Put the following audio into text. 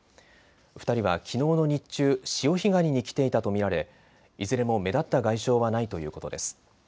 ２人はきのうの日中、潮干狩りに来ていたと見られいずれも目立った外傷はないということです。